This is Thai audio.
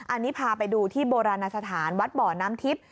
อันนี้พาไปดูที่โบราณสถานวัดบ่อน้ำทิพย์